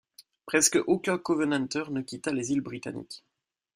Presque aucun Covenanter ne quitta les îles Britanniques.